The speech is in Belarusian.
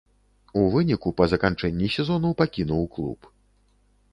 У выніку па заканчэнні сезону пакінуў клуб.